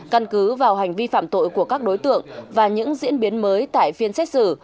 căn cứ vào hành vi phạm tội của các đối tượng và những diễn biến mới tại phiên xét xử